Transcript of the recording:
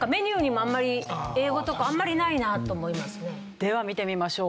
では見てみましょう。